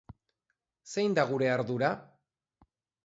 Zein da gure ardura?